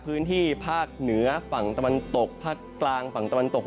พื้นที่ภาคเหนือฝั่งตะวันตกภาคกลางฝั่งตะวันตก